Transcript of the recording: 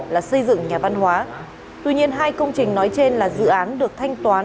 là xây dựng nhà văn hóa tuy nhiên hai công trình nói trên là dự án được thanh toán